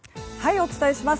お伝えします。